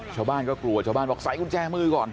ชาวบ้านก็กลัวชาวบ้านบอกใส่กุญแจมือก่อน